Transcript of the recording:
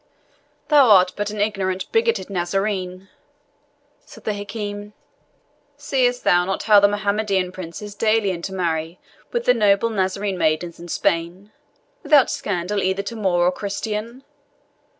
"Thou art but an ignorant, bigoted Nazarene," said the Hakim. "Seest thou not how the Mohammedan princes daily intermarry with the noble Nazarene maidens in Spain, without scandal either to Moor or Christian?